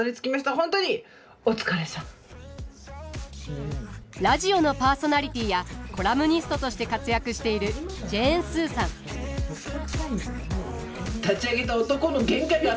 本当にラジオのパーソナリティーやコラムニストとして活躍している立ち上げた男の限界があそこっていうことは。